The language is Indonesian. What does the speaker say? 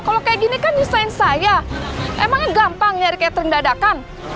kalau kayak gini kan desain saya emangnya gampang nyari catering dadakan